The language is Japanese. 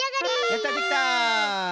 やったできた！